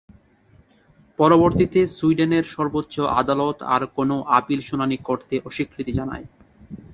পরবর্তীতে সুইডেনের সর্বোচ্চ আদালত আর কোনও আপিল শুনানি করতে অস্বীকৃতি জানায়।